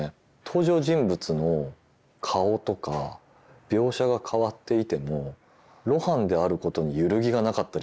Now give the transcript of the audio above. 登場人物の顔とか描写が変わっていても「露伴」であることに揺るぎがなかったりするんですよ。